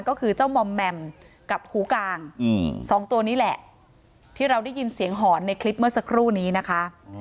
ก็คือเจ้ามอมแมมกับหูกลางสองตัวนี้แหละที่เราได้ยินเสียงหอนในคลิปเมื่อสักครู่นี้นะคะ